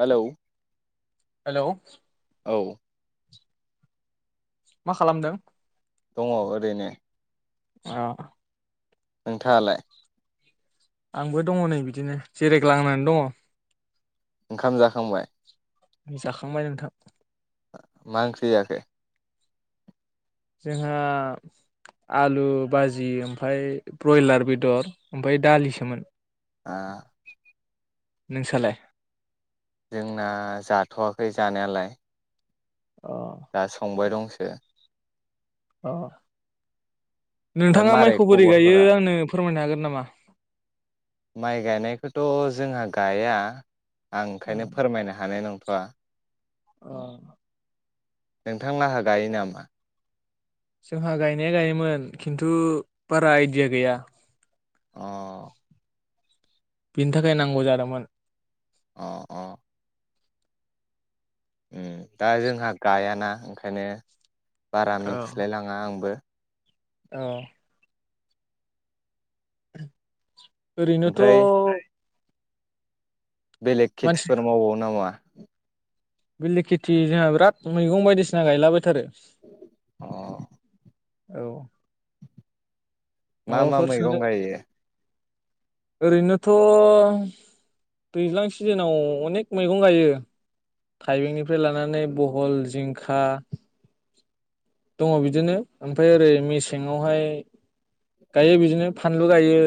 हेल' hello औ मा खालामदों दङ ओरैनो अ नोंथाङालाय आंबो दङ नै बिदिनो जिरायग्लांनानै दङ ओंखाम जाखांबाय जाखांबाय नोंथां ओ मा ओंख्रि जाखौ जोंहा आलु बाजि ओमफ्राय ब्रयलार बेदर ओमफ्राय दालिसोमोन आ नोंसालाय जोंना जाथ'वाखै जानायालाय अ दा संबाय दं [unintelligible] औ ओमफ्राय नोंथाङा मारै माइखौ बोरै गायो खबरफोरा आंनो फोरमायनो हागोन नामा माइ गायनायखौथ' जोंहा गाया आं ओंखायनो फोरमायनो हानाय नंथ बा औ नोंथां लाहा गायो नामा जोंहा गायनाया गायोमोन खिन्थु बारा आइडिया गैया औ बिनि थाखाय नांगौ जादोंमोन अ औ उम दा जोंहा गायाना ओंखायनो बारा औ मिथिलायलाङा आंबो औ [inaudible] ओरैनोथ' ओमफ्राय बेलेग खेथिफोर मावबावो नामा बिलेग खेथि जोंहा बिराद मैगं बायदिसिना अ गायलाबायथारो [inaudible] औ मा मा माबाफोर सोनो मैगं गायो ओरैनोथ' दैज्लां सिजोनाव अनेक मैगं गायो थाइबेंनिफ्राय लानानै बहल जिंखा दङ बिदिनो ओमफ्राय ओरै मेसेंआवहाय गायो बिदिनो फानलु गायो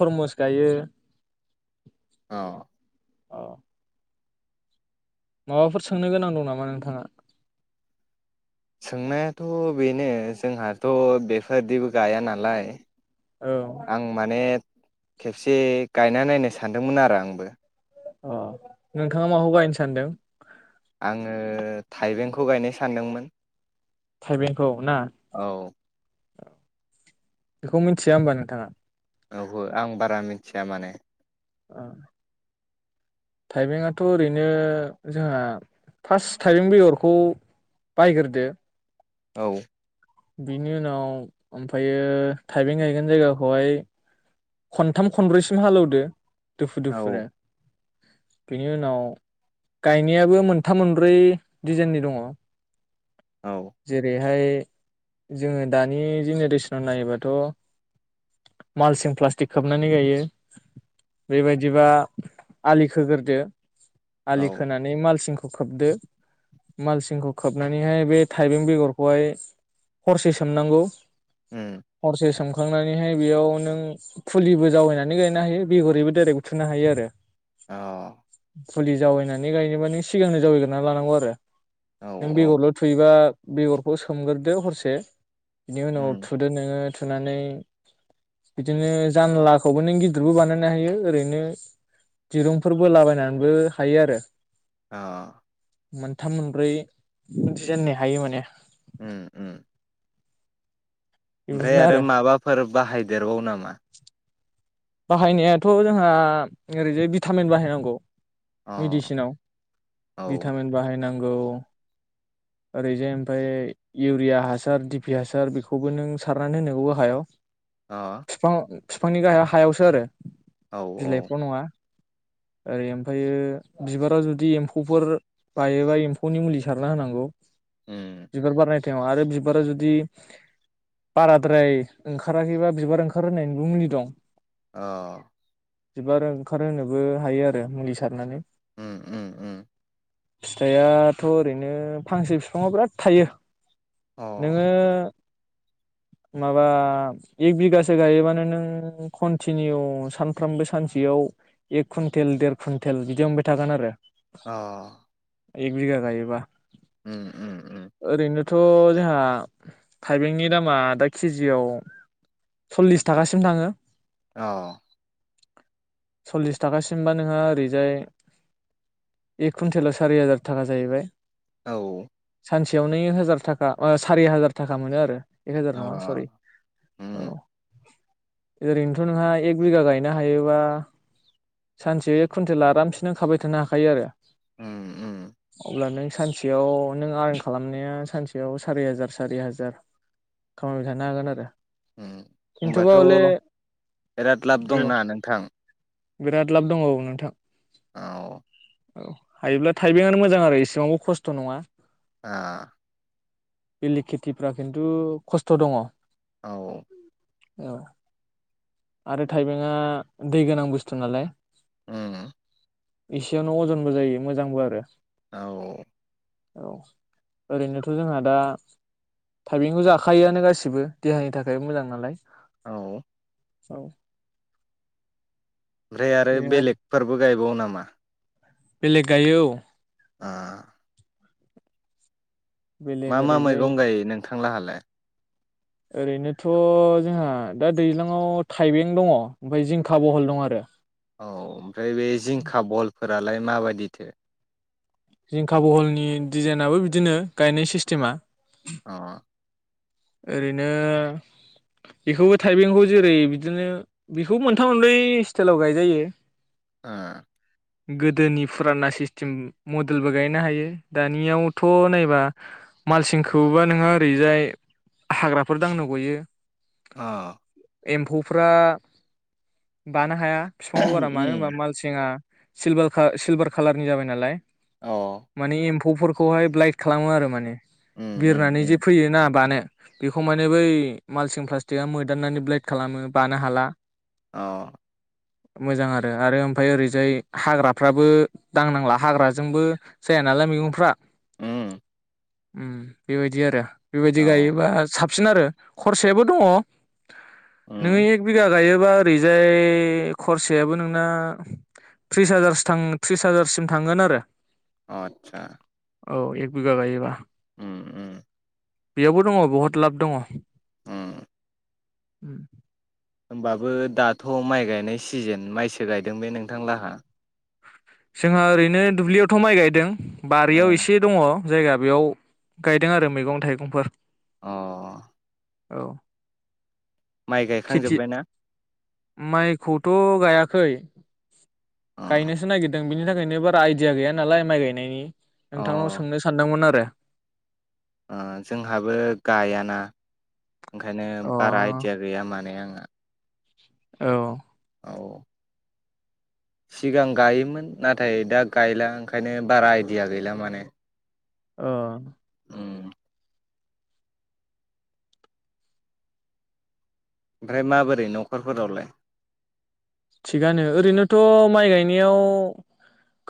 थरमुस गायो औ औ माबाफोर सोंनो गोनां दं नामा नोंथाङा सोंनायाथ' बेनो जोंहाथ' बेफोरदिबो गाया नालाय औ आं माने खेबसे गायना नायनो सानदोंमोन आरो आंबो। अ नोंथाङा माखौ गायनो सानदों? आङो थाइबेंखौ गायनो सानदोंमोन। थाइबेंखौ ना औ औ बेखौ मिथिया होमबा नोंथाङा? औहो आं बारा मिथिया माने अ थाइबेंआथ' ओरैनो जोंहा फार्स्ट थाइबें बेगरखौ बायग्रोदो। औ बिनि उनाव ओमफ्रायो थाइबें गायगोन जायगाखौहाय खनथाम खनब्रैसिम हालौदो दुफु दुफुनो औ बेनि उनाव गायनायाबो मोनथाम मोनब्रै डिजाइननि दङ। औ जेरैहाय जोङो दानि जेनेरेसनाव नायोबाथ' मालसिं प्ला [unintelligible] खोबनानै गायो बेबायदिबा आलि खोग्रोदो। आलि औ खोनानै मालसिं खौ खोबदो मालसिंखौ खोबनानैहाय बे थाइबें बेगरखौहाय हरसे सोमनांगौ उम हरसे सोम खांनानैहाय बेयाव नों फुलिबो जावैनानै गायनो हायो बेगरिबो डाइरेक्ट उथुनो हायो आरो। औ फुलि जावैनानै गायनोबा नों सिगांनो जावैग्रोना लानांगौ आरो। औ नों औ बेगरल' थैयोबा बेगरखौ सोमग्रोरदो हरसे बिनि उनाव उम थुदो नोङो थुनानै बिदिनो जानलाखौबो नों गिदिरबो बानायनो हायो ओरैनो दिरुंफोरबो बोलाबायनानैबो हायो आरो। ओ मोनथाम मोनब्रै खोनथेजेननो हायो माने उम उम ओमफ्राय आरो माबाफोर बाहायदेरबावो नामा? बाहायनायाथ' जोंहा ओरैजाय भिटामिन बाहायनांगौ अ मेडिसिनाव औ भिटामिन बाहायनां गौ ओरैजाय ओमफफ्राय इउरिया हासार दिपि हासार बेखौबो नों सारनानै होनांगौ हायाव अ फिफां फिफांनि गाहा यावसो आरो औ औ बिलाइथ' नङा ओरै ओमफायो बिबाराव जुदि एमफौफोर बायोबा एमफौनि मुलि सारना होनांगौ उम बिबार बारनाय टाइमाव आरो बिबारा जुदि बाराद्राय ओंखाराखैबा बिबार ओंखार होनायनिबो मुलि दं औ बिबार ओंखारहोनोबो हायो आरो मुलि सारनानै उ उ उ फिथाइआथ' ओरैनो फांसे फिफाङाव बिराद थायो नोङो माबा एक बिगासो गायोबानो नों कन्टिनिउ सानफ्रामबो सानसेयाव एक कुइन्टेल देर कुइन्टेल बिदि मोनबाय थागोन आरो अ एक बिघा गायोबा उ उ उ थ' जोंहा थाइबेंनि दामा दा केजियाव सल्लिस थाखासिम थाङो ओ सल्लिस थाखासिमबा नोंहा ओरैजाय एक कुन्टेलाव सारि हाजार थाखा जाहैबाय औ सानसेयावनो एक हाजार थाखा ओ सारि हाजार थाखा मोनो आरो एक हाजार अ नङा सरि औ उम ओरै नोथ' नोंहा एक बिगा गायनो हायोबा सानसे एक कुन्टेल आरामसेनो खाबाय थानो हाखायो आरो उम उम अब्ला नों सानसेयाव नों आर्न खालामनाया सानसेयाव सारि हाजार सारि हाजार खामायबाय थानो हागोन आरो उम खिन्थुबा होनबाथ' हले बिराद लाब औ दंना नोंथां बिराद लाब दंबावो नोंथां औ औ हायोब्ला थाइबेंआनो मोजां आरो इसेबांबो खस्थ' नङा आ बेलेग खेथिफ्रा खिन्थु खस्थ' दङ औ औ आरो थाइबेंआ दै गोनां बुस्थु नालाय उम एसेयावनो अजनबो जायो मोजांबो आरो औ औ ओरैनोथ' जोंहा दा थाइबेंखौ जाखायोआनो गासिबो देहानि थाखाय मोजां नालाय औ ओमफ्राय औ ओमफ्राय आरो बेलेगफोरबो गायबाव ना मा बेलेग गायो औ आ बेलेग मा मा ओरैजाय मैगं गायो नोंथांला [unintelligible] ओरैनोथ' जोंहा दा दैज्लाङआव थाइबें दङ ओमफ्राय जिंखा बहल दं आरो औ ओमफ्राय बे जिंखा बल फोरालाय माबायदिथो जिंखा बहलनि डिजाइनाबो बिदिनो गायनाय सिस्टेमा अ ओरैनो बेखौबो थाइबेंखौ जेरै बिदिनो बेखौ मोनथाम मोनब्रै स्टाइलाव गायजायो ओ गोदोनि फुराना सिस्टेम मडेलबो गायनो हायो दानियावथ' नायबा मालसिंखौबा नोंहा ओरैजाय हाग्राफोर दांनो गयो अ एम्फौफ्रा बानो हाया बिफाङाव बारा मानो उम होनबा मालसिङा सिलभार सिलभार खालारनि जाबाय नालाय अ मानि ए म्फौ फोरखौहाय ब्लाइट खालामो आरो माने उम उम बिरनानै जे उम फैयो ना बानो बेखौ माने बै मालसिं प्लास्टिकआ मोदाननानै ब्लेट खालामो बानो हाला ओ मोजां आरो आरो ओमफ्राय ओरैजाय हाग्राफ्राबो दांनांला हाग्राजोंबो जाया नालाय मैगंफ्रा उम उम बेबायदि आरो बिबायदि अ गाय बा साबसिन आरो खरसायाबो दङ नों उम एक बिघा गायोबा ओरैजाय खरसायाबो नोंना थ्रिस हाजार थ्रिस हाजारसिम थांगोन आरो अ आतसा औ एक बिगा गायोबा उम उम बेयावबो दङ बहुत लाब दङ उम उम होमबाबो दाथ' माइ गायनाय सिजोन माइसो गायदों बे नोंथां लाहा जोंहा ओरैनो दुब्लियावथ' माइ गायदों बारियाव अ एसे दङ जायगा बेयाव गायदों आरो मैगं थाइगंफोर अ औ माइ खेथि गायखांजोबबायना माइखौथ' गायाखै अ गायनोसो नागिरदों दों बिनि थाखायनो बारा आइदििया गैया नालाय माइ गायनायनि नोंथांनाव अ सोंनो सानदोंमोन आरो ओ जोंहाबो गायाना ओंखायनो बारा आइदिया अ गैया माने आं द औ सिगां गायोमोन नाथाय दा गायला ओंखायनो बारा आइडिया गैला माने अ उम ओमफ्राय माबोरै न'खरफोरावलाय थिगानो ओरैनोथ' माइ गायनायाव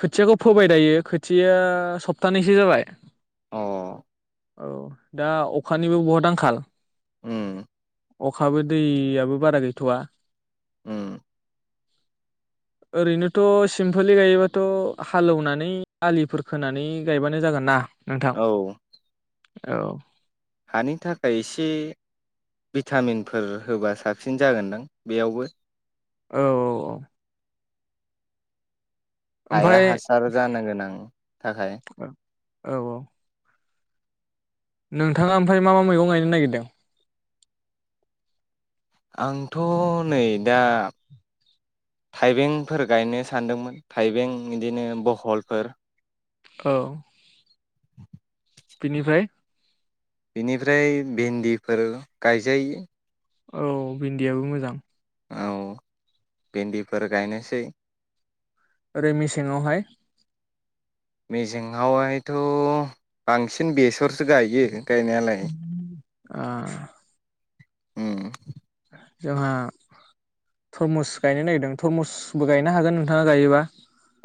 खोथियाखौ फोबाय दायो खोथिया सप्थानैसो जाबाय अ औ दा अखानिबो बहुद आंखाल उम अखाबो दैयाबो बारा गैथ'वा ओम ओरैनोथ' सिम्पोलै गायोबाथ' हालौनानै आलिफोर खोनानै गायबानो जागोन ना नोंथां औ औ हानि थाखाय एसे भिटामिनफोर होबा साबसिन जागोनदां बेयावबो औ औ औ हाया ओमफ्राय हासार जानो गोनां थाखाय औ औ नोंथाङा ओमफ्राय मा मा मैगं गायनो नागिरदों आंथ' नै दा थाइबेंफोर गायनो सानदोंमोन थाइबें बिदिनो बहलफोर औ बेनिफ्राय बेनिफ्राय भिन्दिफोर गायजायो औ भिन्दियाबो मोजां औ भिन्दिफोर गायनोसै ओरै मेसेङावहाय मेसेङावहायथ' बांसिन बेसरसो गायो गायनायालाय आ ओम जोंहा थरमुस गायनो नागिरदों थरमुसबो गायनो हागोन नोंथाङा गायोबा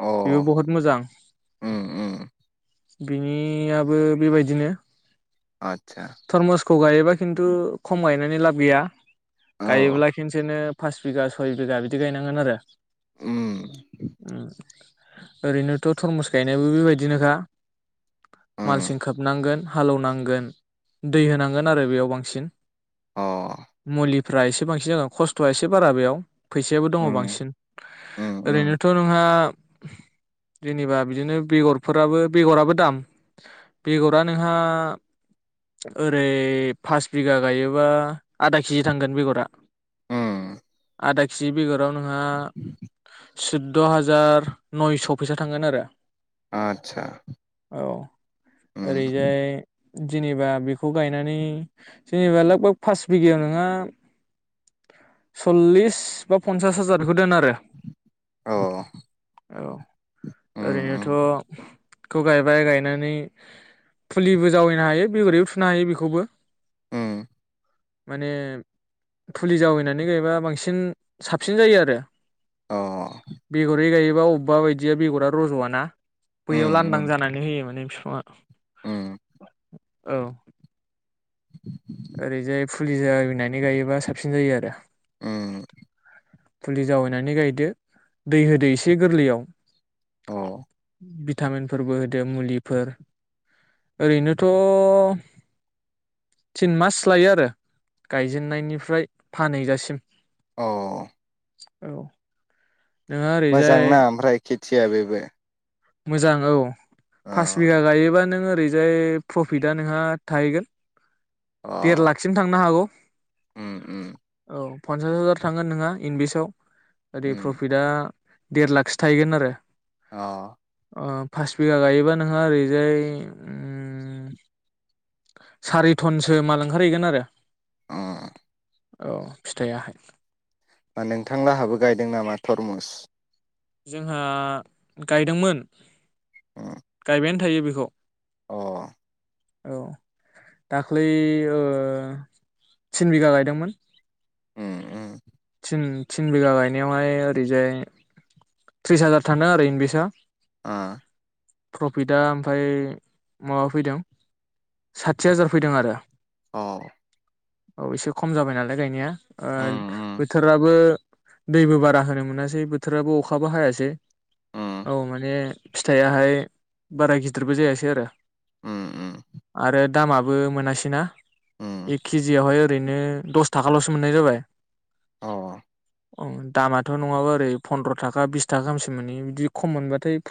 अ बहुत मोजां उम उम बिनियाबो बेबायदिनो आतसा खौ गायोबा खिन्थु खम गायनायनि लाब गैया औ गायोब्ला खिनसेनो फास बिगा सय बिगा बिदि गायनांगोन आरो उम ओरैनोथ' थरमुस गायनायाबो बेबायदिनोखा उम मालसिं खोबनांगोन हालेवनांगोन दै होनांगोन आरो बेयाव बांसिन अ मुलि फ्रा एसे बांसिन जागोन खस्थ'आ एसे बारा बेयाव फैसायाबो दङ उम बांसिन उम उम ओरैनोथ' नोंहा जेनेबा बिदिनो बेगरफोराबो बेगराबो दाम बेगरा नोंहा ओरै फास बिगा गायोबा आदा केजि थांगोन बेगरा उम आदा केजि बेगराव नोंहा सुद्द' हाजार नयस' फैसा थांगोन आरो आतसा औ उम ओरैजाय जेनेबा बेखौ गायनानै जेनेबा लोगभोग पास बिगायाव नोङो सल्लिस बा पन्सास हाजार बेखौ दोन आ रो अ औ उम ओरैनोथ' उम खौ गायबाय गायनानै फुलिबो जावैनो हायो बेगरैबो थुनो हायो बेखौबो उम माने फुलि जावैनानै गायबा बांसिन साबसिन जायो आरो अ बेगरै गायो अबेबा अबेबा बायदिया बेगरा रज'आना बैयाव उम लांदां उम जानानै होयो माने बिफाङा उम औ [inaudible] ओरैजाय फुलि जावैनानै गायोबा साबसिन जायो आरो उम फुलि जावैनानै गायदो दै होदो एसे गोरलैयाव अ [unintelligible] भिटामिनफोरबो होदो मुलिफोर ओरैनोथ' तिन मास लायो आरो गायजेननायनिफ्राय फानहैजासिम औ औ नोंहा ओरैजाय मोजां ना ओमफ्राय खि थिया बेबो मोजां औ फास अ बिघा गायोबा नों ओरैजाय प्रफिटा नोंहा थाहैगोन देर लाखसिम थांनो हागौ उ उ औ पन्सास हाजार थांगोन नङा इंनभिसाव ओरै उम प्रफिटआ देर लाखसो थाहैगोन आरो ओ ओ पास बिघा गायोबा नोंहा ओरैजाय उम सारिथन मा लांंखारहैगोन आरो ओ औ फिथाइयाहाय मा नोंथांलाहाबो गायदों नामा थरमुस जोंहा गायदोंमोन उम गाय बेन थायो बेखौ अ औ दाख्लै ओ थिन बिगा गायदोंमोन उम उम थिन थिन बिघा गायनायावहाय ओरैजाय त्रिस हाजार थानो आरोओर इन्दिसआ ओ प्रफिटआ ओमफ्राय माबा फैदों साथि हाजार फैदों आरो। औ औ एसे खम जाबाय नालाय दायो। आ उम उम बोथोराबो दैबो बारा होनो मोनासै बोथोराबो अखाबो हायासै उम औ माने फिथायाहाय बारा गिदिरबो जायासै आरो। उम उम आरो। दामाबो मोनासै ना। उम एकखिजिआवनो ओरैनो दस थाखाल'सो मोननाय जाबाय औ औ दामाथ' नङाबा ओरै फन्दद्र' थाखा बिस थाखा गाहामसो मोनो बिदि खम मोनबाथाय